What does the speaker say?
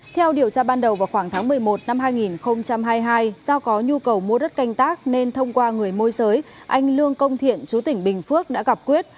theo điều tra ban đầu vào khoảng tháng một mươi một năm hai nghìn hai mươi hai do có nhu cầu mua đất canh tác nên thông qua người môi giới anh lương công thiện chú tỉnh bình phước đã gặp quyết